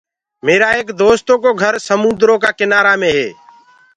ميرآ ايڪ دوستو ڪو گھر سموندرو ڪآ ڪِنآرآ مي هي۔